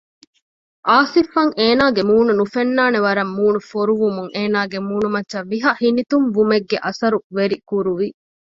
އާސިފްއަށް އޭނާގެ މޫނު ނުފެންނާނެ ވަރަށް މޫނު ފޮރުވުމުން އޭނާގެ މޫނުމައްޗަށް ވިހަ ހިނިތުންވުމެއްގެ އަސަރު ވެރިކުރުވި